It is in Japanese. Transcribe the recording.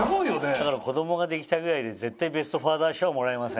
だから子どもができたぐらいで絶対ベスト・ファーザー賞はもらえません。